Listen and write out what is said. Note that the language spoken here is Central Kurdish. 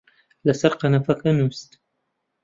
لەسەر قەنەفەکە نووست